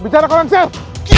bicara kalau enggak